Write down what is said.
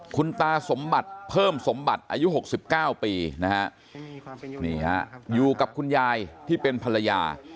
คุณตาสมบัติเพิ่มสมบัติอายุ๖๙ปีนะฮะนี่ฮะอยู่กับคุณยายที่เป็นภรรยา